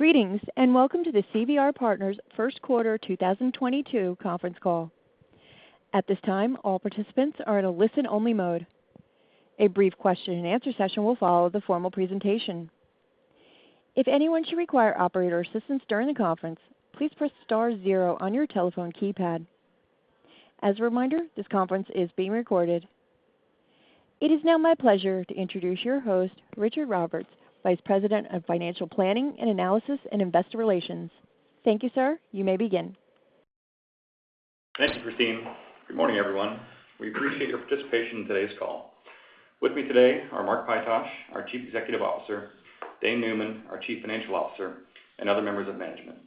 Greetings, and welcome to the CVR Partners first quarter 2022 conference call. At this time, all participants are in a listen-only mode. A brief question-and-answer session will follow the formal presentation. If anyone should require operator assistance during the conference, please press star zero on your telephone keypad. As a reminder, this conference is being recorded. It is now my pleasure to introduce your host, Richard Roberts, Vice President of Financial Planning and Analysis and Investor Relations. Thank you, sir. You may begin. Thank you, Christine. Good morning, everyone. We appreciate your participation in today's call. With me today are Mark A. Pytosh, our Chief Executive Officer, Dane J. Neumann, our Chief Financial Officer, and other members of management.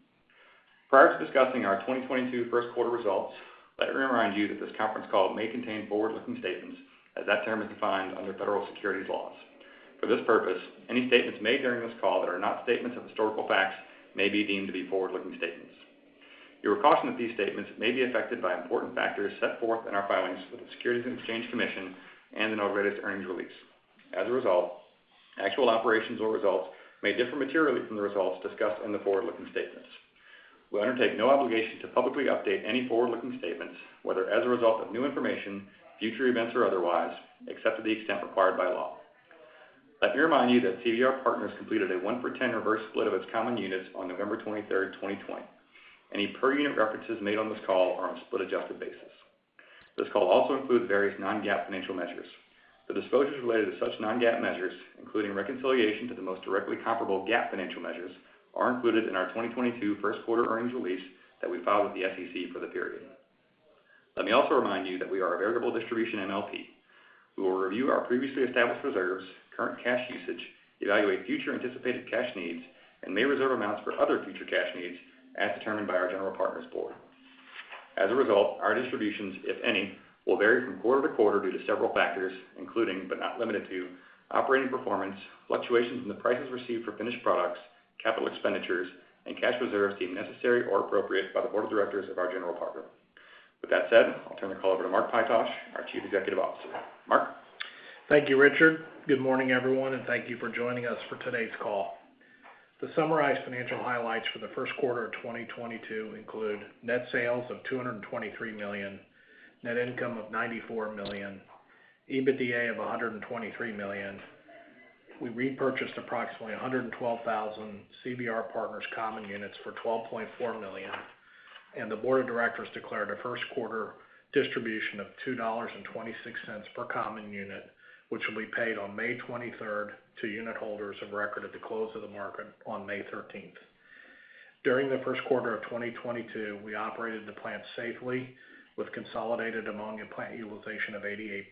Prior to discussing our 2022 first quarter results, let me remind you that this conference call may contain forward-looking statements as that term is defined under federal securities laws. For this purpose, any statements made during this call that are not statements of historical facts may be deemed to be forward-looking statements. You're cautioned that these statements may be affected by important factors set forth in our filings with the Securities and Exchange Commission and in our latest earnings release. As a result, actual operations or results may differ materially from the results discussed in the forward-looking statements. We undertake no obligation to publicly update any forward-looking statements, whether as a result of new information, future events or otherwise, except to the extent required by law. Let me remind you that CVR Partners completed a one for 10 reverse split of its common units on November 23, 2020. Any per unit references made on this call are on a split-adjusted basis. This call also includes various non-GAAP financial measures. The disclosures related to such non-GAAP measures, including reconciliation to the most directly comparable GAAP financial measures, are included in our 2022 first quarter earnings release that we filed with the SEC for the period. Let me also remind you that we are a variable distribution MLP. We will review our previously established reserves, current cash usage, evaluate future anticipated cash needs, and may reserve amounts for other future cash needs as determined by our general partner's board. As a result, our distributions, if any, will vary from quarter to quarter due to several factors, including but not limited to operating performance, fluctuations in the prices received for finished products, capital expenditures, and cash reserves deemed necessary or appropriate by the board of directors of our general partner. With that said, I'll turn the call over to Mark Pytosh, our Chief Executive Officer. Mark? Thank you, Richard. Good morning, everyone, and thank you for joining us for today's call. To summarize financial highlights for the first quarter of 2022 include net sales of $223 million, net income of $94 million, EBITDA of $123 million. We repurchased approximately 112,000 CVR Partners common units for $12.4 million, and the board of directors declared a first quarter distribution of $2.26 per common unit, which will be paid on May 23rd to unit holders of record at the close of the market on May 13th. During the first quarter of 2022, we operated the plant safely with consolidated ammonia plant utilization of 88%.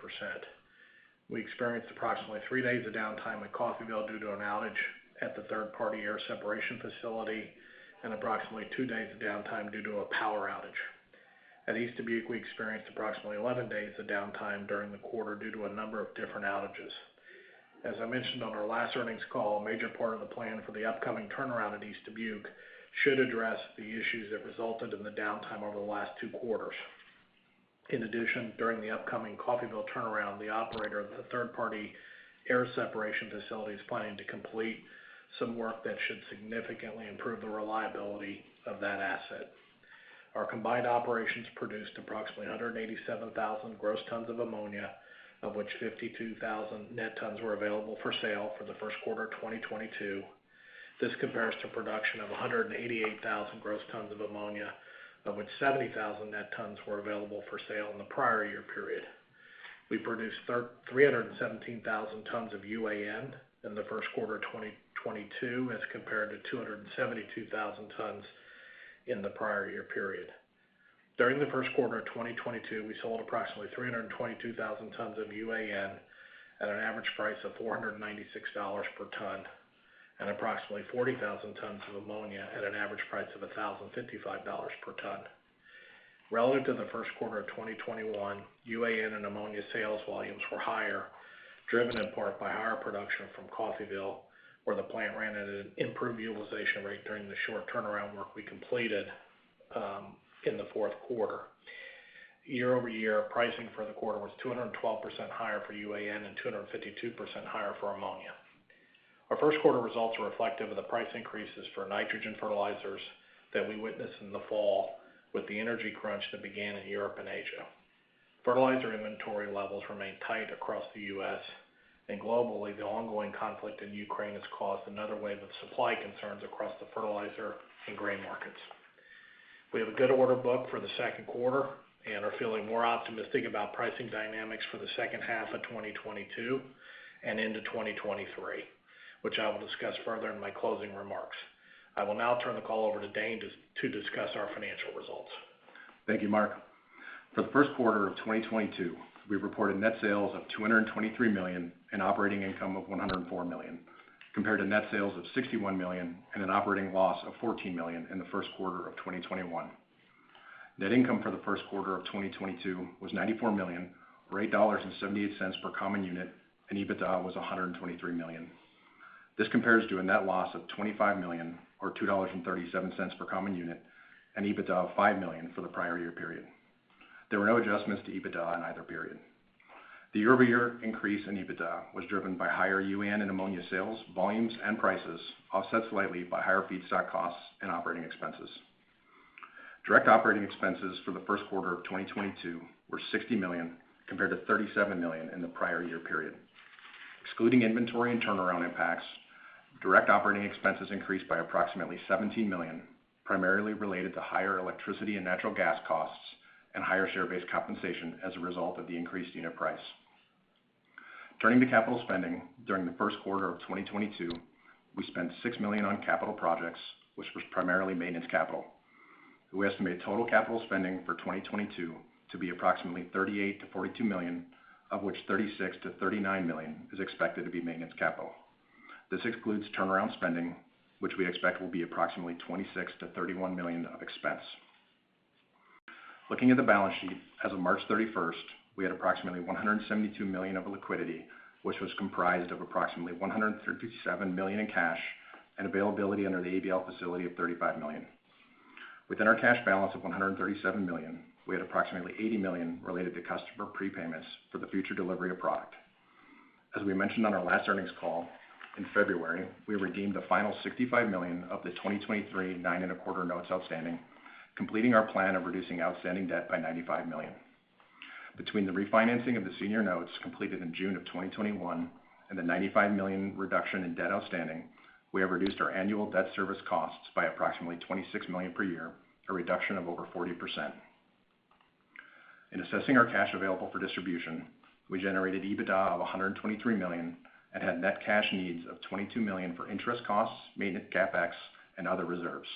We experienced approximately three days of downtime at Coffeyville due to an outage at the third-party air separation facility and approximately two days of downtime due to a power outage. At East Dubuque, we experienced approximately 11 days of downtime during the quarter due to a number of different outages. As I mentioned on our last earnings call, a major part of the plan for the upcoming turnaround at East Dubuque should address the issues that resulted in the downtime over the last two quarters. In addition, during the upcoming Coffeyville turnaround, the operator of the third-party air separation facility is planning to complete some work that should significantly improve the reliability of that asset. Our combined operations produced approximately 187,000 gross tons of ammonia, of which 52,000 net tons were available for sale for the first quarter of 2022. This compares to production of 188,000 gross tons of ammonia, of which 70,000 net tons were available for sale in the prior year period. We produced 317,000 tons of UAN in the first quarter of 2022 as compared to 272,000 tons in the prior year period. During the first quarter of 2022, we sold approximately 322,000 tons of UAN at an average price of $496 per ton and approximately 40,000 tons of ammonia at an average price of $1,055 per ton. Relative to the first quarter of 2021, UAN and ammonia sales volumes were higher, driven in part by higher production from Coffeyville, where the plant ran at an improved utilization rate during the short turnaround work we completed in the fourth quarter. Year-over-year, pricing for the quarter was 212% higher for UAN and 252% higher for ammonia. Our first quarter results are reflective of the price increases for nitrogen fertilizers that we witnessed in the fall with the energy crunch that began in Europe and Asia. Fertilizer inventory levels remain tight across the U.S., and globally, the ongoing conflict in Ukraine has caused another wave of supply concerns across the fertilizer and grain markets. We have a good order book for the second quarter and are feeling more optimistic about pricing dynamics for the second half of 2022 and into 2023, which I will discuss further in my closing remarks. I will now turn the call over to Dane to discuss our financial results. Thank you, Mark. For the first quarter of 2022, we reported net sales of $223 million and operating income of $104 million, compared to net sales of $61 million and an operating loss of $14 million in the first quarter of 2021. Net income for the first quarter of 2022 was $94 million or $8.78 per common unit, and EBITDA was $123 million. This compares to a net loss of $25 million or $2.37 per common unit and EBITDA of $5 million for the prior year period. There were no adjustments to EBITDA in either period. The year-over-year increase in EBITDA was driven by higher UAN and ammonia sales, volumes and prices, offset slightly by higher feedstock costs and operating expenses. Direct operating expenses for the first quarter of 2022 were $60 million compared to $37 million in the prior year period. Excluding inventory and turnaround impacts, direct operating expenses increased by approximately $17 million, primarily related to higher electricity and natural gas costs and higher share-based compensation as a result of the increased unit price. Turning to capital spending, during the first quarter of 2022, we spent $6 million on capital projects, which was primarily maintenance capital. We estimate total capital spending for 2022 to be approximately $38 million-$42 million, of which $36 million-$39 million is expected to be maintenance capital. This excludes turnaround spending, which we expect will be approximately $26 million-$31 million of expense. Looking at the balance sheet, as of March 31, we had approximately $172 million of liquidity, which was comprised of approximately $137 million in cash and availability under the ABL facility of $35 million. Within our cash balance of $137 million, we had approximately $80 million related to customer prepayments for the future delivery of product. As we mentioned on our last earnings call, in February, we redeemed the final $65 million of the 2023 9.25% notes outstanding, completing our plan of reducing outstanding debt by $95 million. Between the refinancing of the senior notes completed in June 2021 and the $95 million reduction in debt outstanding, we have reduced our annual debt service costs by approximately $26 million per year, a reduction of over 40%. In assessing our cash available for distribution, we generated EBITDA of $123 million and had net cash needs of $22 million for interest costs, maintenance CapEx, and other reserves.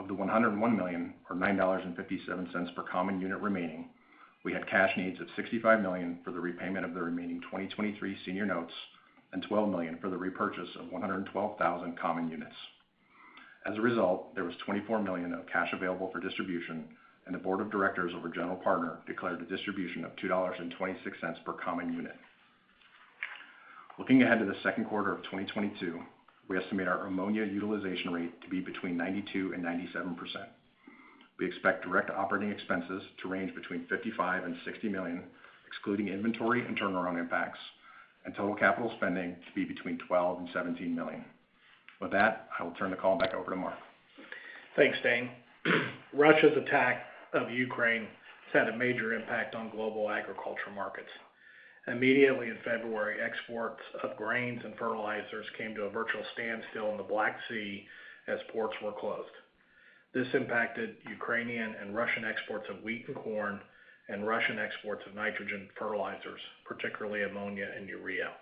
Of the $101 million, or $9.57 per common unit remaining, we had cash needs of $65 million for the repayment of the remaining 2023 Senior Notes and $12 million for the repurchase of 112,000 common units. As a result, there was $24 million of cash available for distribution, and the board of directors of our general partner declared a distribution of $2.26 per common unit. Looking ahead to the second quarter of 2022, we estimate our ammonia utilization rate to be between 92% and 97%. We expect direct operating expenses to range between $55 million and $60 million, excluding inventory and turnaround impacts, and total capital spending to be between $12 million and $17 million. With that, I will turn the call back over to Mark. Thanks, Dane. Russia's attack of Ukraine has had a major impact on global agricultural markets. Immediately in February, exports of grains and fertilizers came to a virtual standstill in the Black Sea as ports were closed. This impacted Ukrainian and Russian exports of wheat and corn, and Russian exports of nitrogen fertilizers, particularly ammonia and urea.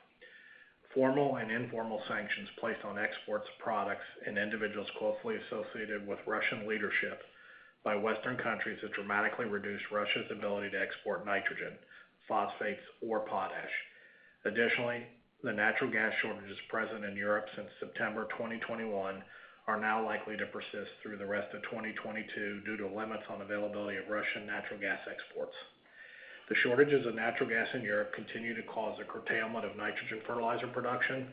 Formal and informal sanctions placed on exports of products and individuals closely associated with Russian leadership by Western countries have dramatically reduced Russia's ability to export nitrogen, phosphates, or potash. Additionally, the natural gas shortages present in Europe since September 2021 are now likely to persist through the rest of 2022 due to limits on availability of Russian natural gas exports. The shortages of natural gas in Europe continue to cause a curtailment of nitrogen fertilizer production,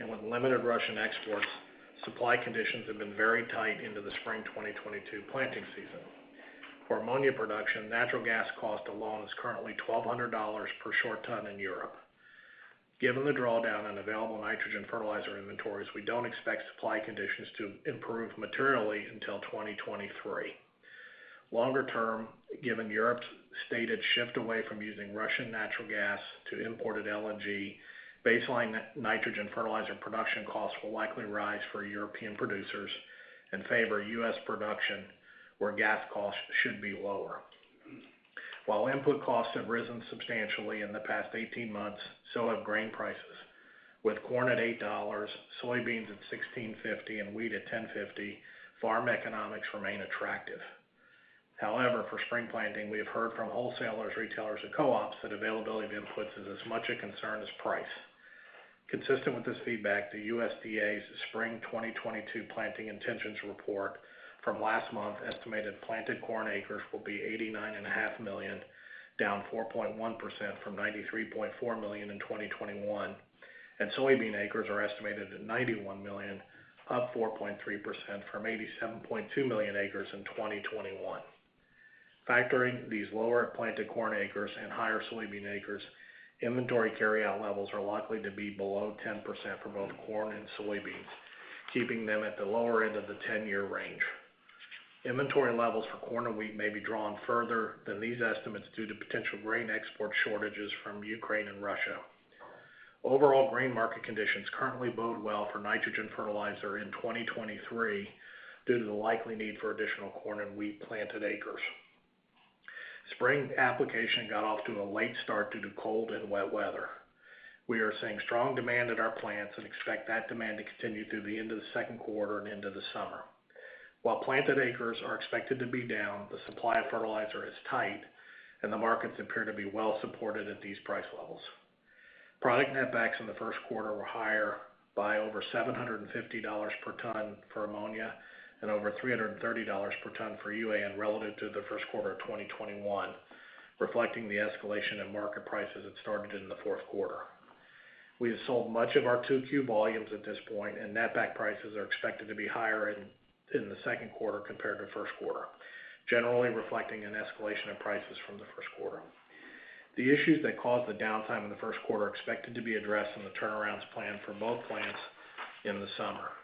and with limited Russian exports, supply conditions have been very tight into the spring 2022 planting season. For ammonia production, natural gas cost alone is currently $1,200 per short ton in Europe. Given the drawdown on available nitrogen fertilizer inventories, we don't expect supply conditions to improve materially until 2023. Longer term, given Europe's stated shift away from using Russian natural gas to imported LNG, baseline nitrogen fertilizer production costs will likely rise for European producers and favor U.S. production, where gas costs should be lower. While input costs have risen substantially in the past 18 months, so have grain prices. With corn at $8, soybeans at $16.50, and wheat at $10.50, farm economics remain attractive. However, for spring planting, we have heard from wholesalers, retailers, and co-ops that availability of inputs is as much a concern as price. Consistent with this feedback, the USDA's 2022 Prospective Plantings from last month estimated planted corn acres will be 89.5 million, down 4.1% from 93.4 million in 2021, and soybean acres are estimated at 91 million, up 4.3% from 87.2 million acres in 2021. Factoring these lower planted corn acres and higher soybean acres, inventory carryout levels are likely to be below 10% for both corn and soybeans, keeping them at the lower end of the ten-year range. Inventory levels for corn and wheat may be drawn further than these estimates due to potential grain export shortages from Ukraine and Russia. Overall grain market conditions currently bode well for nitrogen fertilizer in 2023 due to the likely need for additional corn and wheat planted acres. Spring application got off to a late start due to cold and wet weather. We are seeing strong demand at our plants and expect that demand to continue through the end of the second quarter and into the summer. While planted acres are expected to be down, the supply of fertilizer is tight, and the markets appear to be well supported at these price levels. Product netbacks in the first quarter were higher by over $750 per ton for ammonia and over $330 per ton for UAN relative to the first quarter of 2021, reflecting the escalation in market prices that started in the fourth quarter. We have sold much of our 2Q volumes at this point, and netback prices are expected to be higher in the second quarter compared to first quarter, generally reflecting an escalation of prices from the first quarter. The issues that caused the downtime in the first quarter are expected to be addressed in the turnarounds planned for both plants in the summer.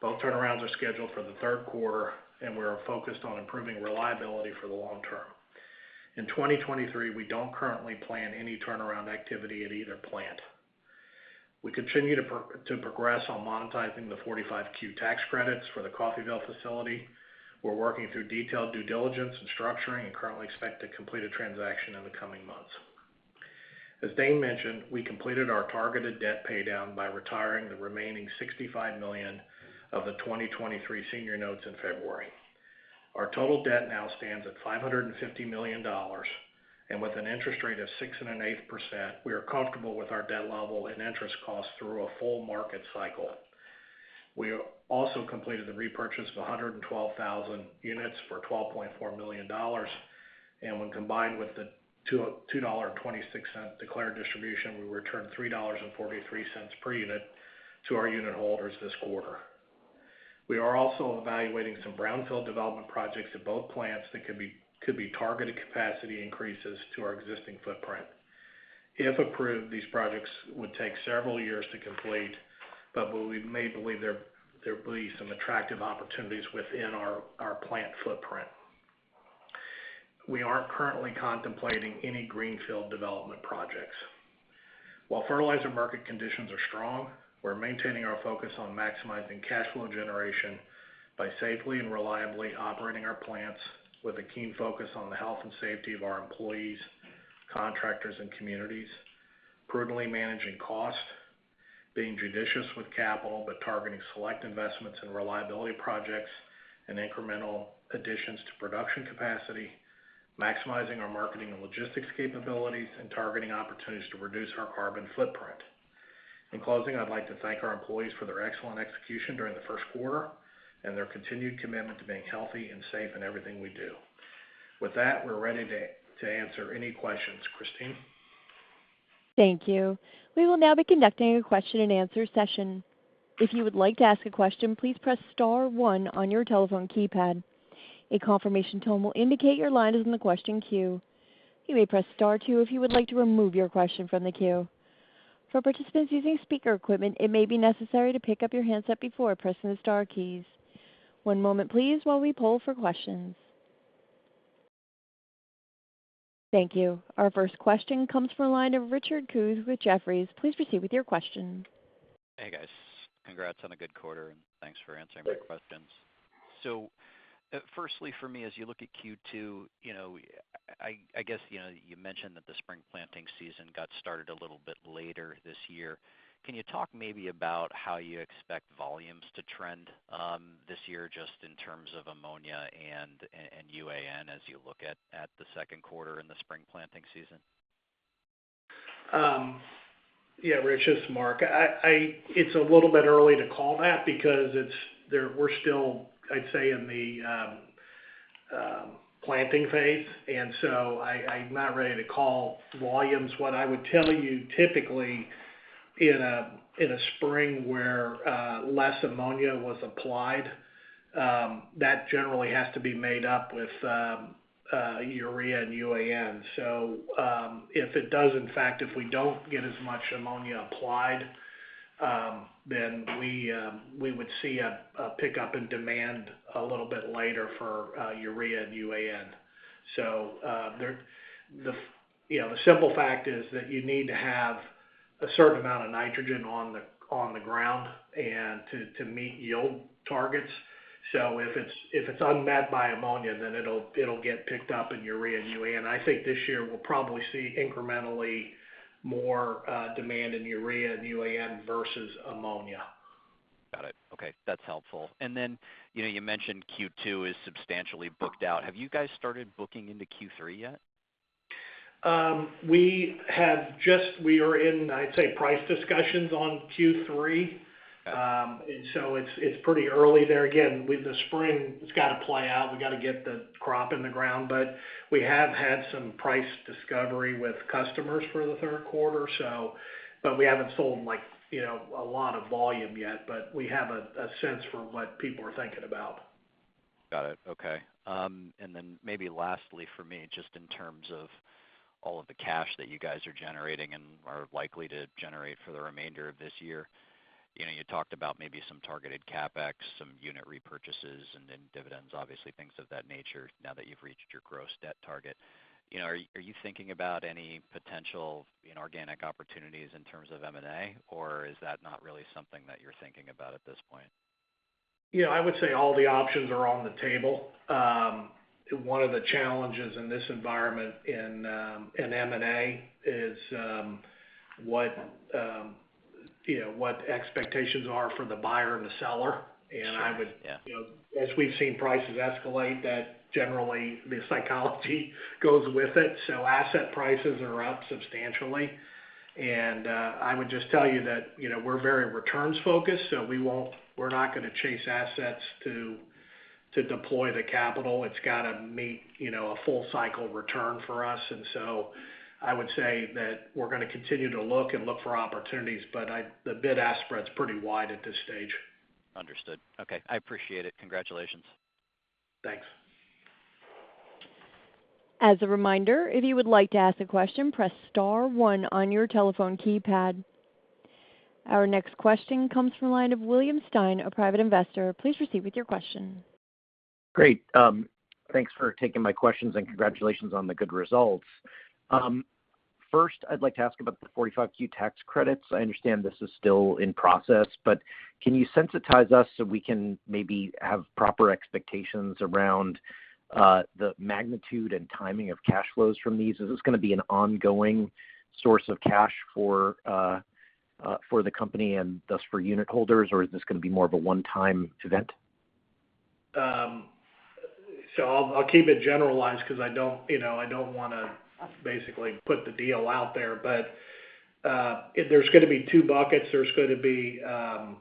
Both turnarounds are scheduled for the third quarter, and we are focused on improving reliability for the long term. In 2023, we don't currently plan any turnaround activity at either plant. We continue to progress on monetizing the 45Q tax credits for the Coffeyville facility. We're working through detailed due diligence and structuring, and currently expect to complete a transaction in the coming months. As Dane mentioned, we completed our targeted debt paydown by retiring the remaining $65 million of the 2023 senior notes in February. Our total debt now stands at $550 million, and with an interest rate of 6.8%, we are comfortable with our debt level and interest costs through a full market cycle. We also completed the repurchase of 112,000 units for $12.4 million. When combined with the $2.26 declared distribution, we returned $3.43 per unit to our unit holders this quarter. We are also evaluating some brownfield development projects at both plants that could be targeted capacity increases to our existing footprint. If approved, these projects would take several years to complete, but we may believe there will be some attractive opportunities within our plant footprint. We aren't currently contemplating any greenfield development projects. While fertilizer market conditions are strong, we're maintaining our focus on maximizing cash flow generation by safely and reliably operating our plants with a keen focus on the health and safety of our employees, contractors, and communities, prudently managing costs, being judicious with capital, but targeting select investments in reliability projects and incremental additions to production capacity, maximizing our marketing and logistics capabilities, and targeting opportunities to reduce our carbon footprint. In closing, I'd like to thank our employees for their excellent execution during the first quarter and their continued commitment to being healthy and safe in everything we do. With that, we're ready to answer any questions. Christine. Thank you. We will now be conducting a question and answer session. If you would like to ask a question, please press star one on your telephone keypad. A confirmation tone will indicate your line is in the question queue. You may press star two if you would like to remove your question from the queue. For participants using speaker equipment, it may be necessary to pick up your handset before pressing the star keys. One moment please while we poll for questions. Thank you. Our first question comes from the line of Richard Kus with Jefferies. Please proceed with your question. Hey, guys. Congrats on a good quarter, and thanks for answering my questions. Firstly for me, as you look at Q2, you know, I guess, you know, you mentioned that the spring planting season got started a little bit later this year. Can you talk maybe about how you expect volumes to trend this year just in terms of ammonia and UAN as you look at the second quarter in the spring planting season? Yeah, Rich, it's Mark. It's a little bit early to call that because we're still, I'd say, in the planting phase. I'm not ready to call volumes. What I would tell you typically in a spring where less ammonia was applied, that generally has to be made up with urea and UAN. If we don't get as much ammonia applied, then we would see a pickup in demand a little bit later for urea and UAN. You know, the simple fact is that you need to have a certain amount of nitrogen on the ground to meet yield targets. If it's unmet by ammonia, then it'll get picked up in urea and UAN. I think this year we'll probably see incrementally more demand in urea and UAN versus ammonia. Got it. Okay, that's helpful. You know, you mentioned Q2 is substantially booked out. Have you guys started booking into Q3 yet? We are in, I'd say, price discussions on Q3. Okay. It's pretty early there. Again, with the spring, it's got to play out. We got to get the crop in the ground. We have had some price discovery with customers for the third quarter, but we haven't sold, like, you know, a lot of volume yet. We have a sense for what people are thinking about. Got it. Okay. And then maybe lastly for me, just in terms of all of the cash that you guys are generating and are likely to generate for the remainder of this year, you know, you talked about maybe some targeted CapEx, some unit repurchases, and then dividends, obviously things of that nature now that you've reached your gross debt target. You know, are you thinking about any potential inorganic opportunities in terms of M&A, or is that not really something that you're thinking about at this point? Yeah, I would say all the options are on the table. One of the challenges in this environment, in M&A is, you know, what expectations are for the buyer and the seller. Sure. Yeah. You know, as we've seen prices escalate, that generally the psychology goes with it. Asset prices are up substantially. I would just tell you that, you know, we're very returns focused, so we're not gonna chase assets to deploy the capital, it's gotta meet, you know, a full cycle return for us. I would say that we're gonna continue to look and look for opportunities, but the bid-ask spread is pretty wide at this stage. Understood. Okay. I appreciate it. Congratulations. Thanks. As a reminder, if you would like to ask a question, press star one on your telephone keypad. Our next question comes from the line of William Stein, a private investor. Please proceed with your question. Great. Thanks for taking my questions, and congratulations on the good results. First, I'd like to ask about the 45Q tax credits. I understand this is still in process, but can you sensitize us so we can maybe have proper expectations around the magnitude and timing of cash flows from these? Is this gonna be an ongoing source of cash for the company and thus for unit holders, or is this gonna be more of a one-time event? I'll keep it generalized 'cause I don't, you know, I don't wanna basically put the deal out there. There'll be two buckets. There'll be an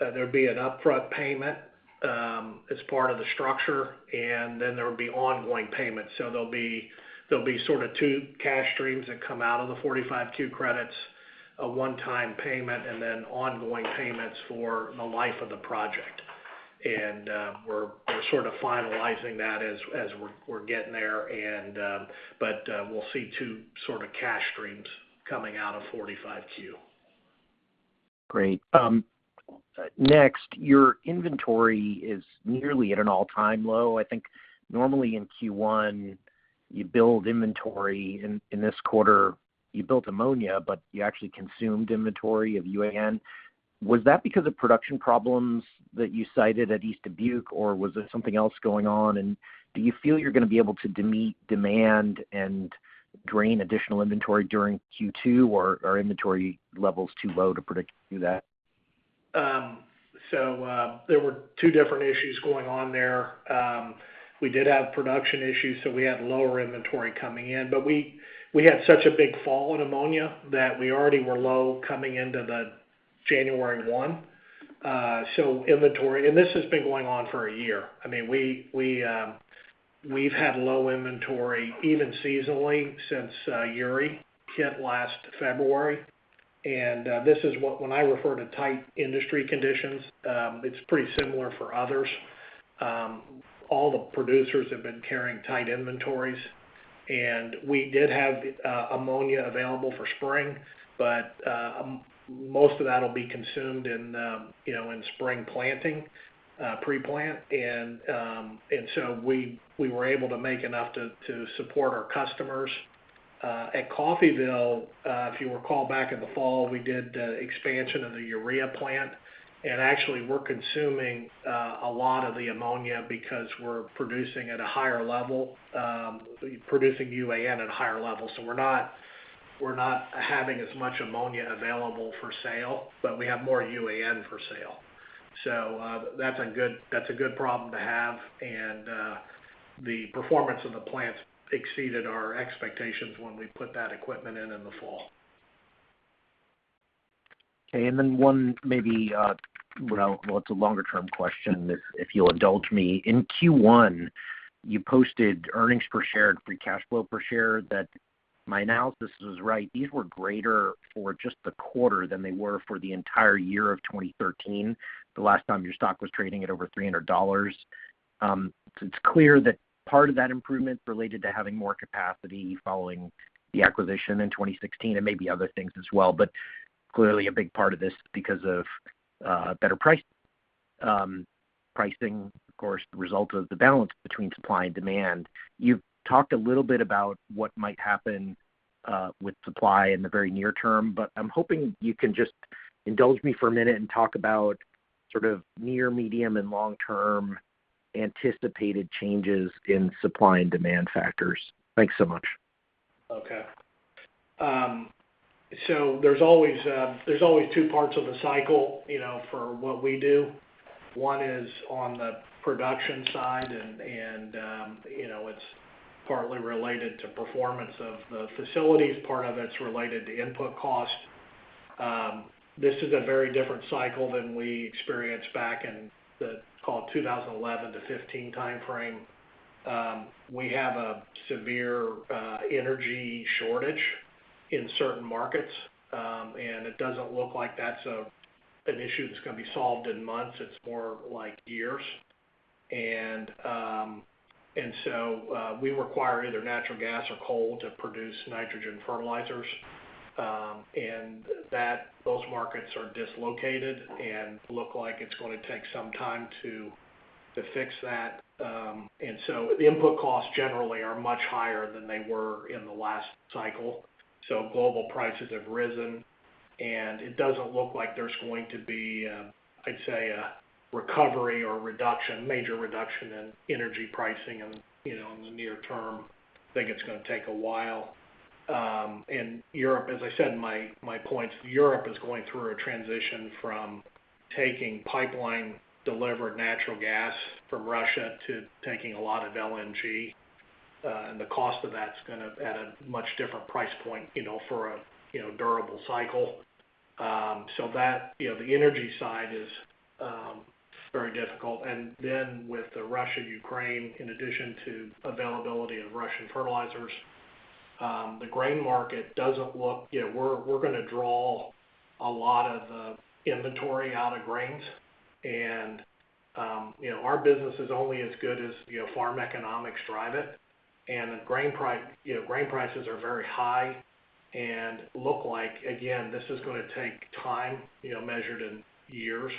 upfront payment as part of the structure, and then there will be ongoing payments. There'll be sort of two cash streams that come out of the 45Q credits, a one-time payment, and then ongoing payments for the life of the project. We're sort of finalizing that as we're getting there, but we'll see two sort of cash streams coming out of 45Q. Great. Next, your inventory is nearly at an all-time low. I think normally in Q1, you build inventory. In this quarter, you built ammonia, but you actually consumed inventory of UAN. Was that because of production problems that you cited at East Dubuque, or was there something else going on? Do you feel you're gonna be able to meet demand and drain additional inventory during Q2, or are inventory levels too low to do that? There were two different issues going on there. We did have production issues, so we had lower inventory coming in. But we had such a big fall in ammonia that we already were low coming into the January one. This has been going on for a year. I mean, we've had low inventory even seasonally since Uri hit last February. This is when I refer to tight industry conditions, it's pretty similar for others. All the producers have been carrying tight inventories. We did have ammonia available for spring, but most of that'll be consumed in, you know, in spring planting, pre-plant. We were able to make enough to support our customers. At Coffeyville, if you recall back in the fall, we did expansion of the urea plant, and actually we're consuming a lot of the ammonia because we're producing at a higher level, producing UAN at a higher level. We're not having as much ammonia available for sale, but we have more UAN for sale. That's a good problem to have. The performance of the plants exceeded our expectations when we put that equipment in in the fall. Okay. One maybe, well, it's a longer-term question if you'll indulge me. In Q1, you posted earnings per share and free cash flow per share that my analysis was right. These were greater for just the quarter than they were for the entire year of 2013, the last time your stock was trading at over $300. It's clear that part of that improvement related to having more capacity following the acquisition in 2016 and maybe other things as well. Clearly a big part of this because of better pricing, of course, the result of the balance between supply and demand. You've talked a little bit about what might happen, with supply in the very near term, but I'm hoping you can just indulge me for a minute and talk about sort of near, medium, and long-term anticipated changes in supply and demand factors. Thanks so much. Okay. So there's always two parts of a cycle, you know, for what we do. One is on the production side and you know, it's partly related to performance of the facilities, part of it's related to input costs. This is a very different cycle than we experienced back in the, call it, 2011 to 2015 timeframe. We have a severe energy shortage in certain markets, and it doesn't look like that's an issue that's gonna be solved in months. It's more like years. We require either natural gas or coal to produce nitrogen fertilizers. Those markets are dislocated and look like it's gonna take some time to fix that. The input costs generally are much higher than they were in the last cycle. Global prices have risen, and it doesn't look like there's going to be, I'd say, a recovery or reduction, major reduction in energy pricing in, you know, in the near term. I think it's gonna take a while. Europe, as I said in my points, Europe is going through a transition from taking pipeline-delivered natural gas from Russia to taking a lot of LNG. The cost of that's gonna at a much different price point, you know, for a, you know, durable cycle. That, you know, the energy side is very difficult. Then with the Russia-Ukraine, in addition to availability of Russian fertilizers, the grain market doesn't look. You know, we're gonna draw a lot of the inventory out of grains. You know, our business is only as good as, you know, farm economics drive it. Grain prices are very high and look like, again, this is gonna take time, you know, measured in years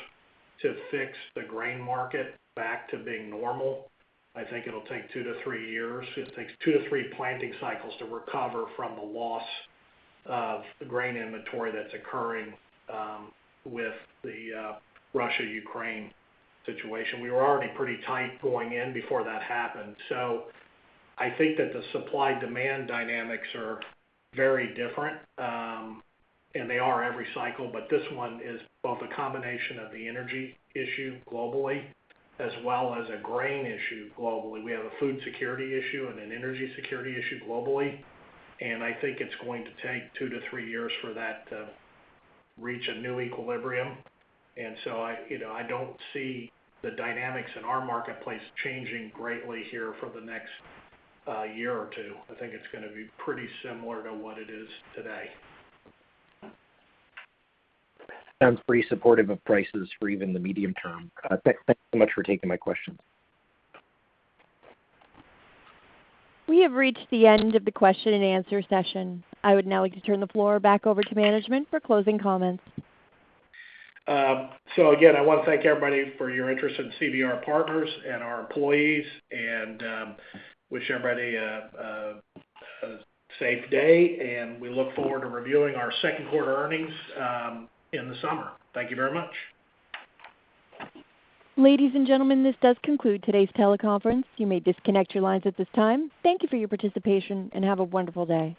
to fix the grain market back to being normal. I think it'll take two three years. It takes two three planting cycles to recover from the loss of the grain inventory that's occurring with the Russia-Ukraine situation. We were already pretty tight going in before that happened. I think that the supply-demand dynamics are very different, and they are every cycle. But this one is both a combination of the energy issue globally as well as a grain issue globally. We have a food security issue and an energy security issue globally, and I think it's going to take two three years for that to reach a new equilibrium. I, you know, I don't see the dynamics in our marketplace changing greatly here for the next year or two. I think it's gonna be pretty similar to what it is today. Sounds pretty supportive of prices for even the medium term. Thanks so much for taking my questions. We have reached the end of the question-and-answer session. I would now like to turn the floor back over to management for closing comments. Again, I wanna thank everybody for your interest in CVR Partners and our employees and wish everybody a safe day, and we look forward to reviewing our second quarter earnings in the summer. Thank you very much. Ladies and gentlemen, this does conclude today's teleconference. You may disconnect your lines at this time. Thank you for your participation, and have a wonderful day.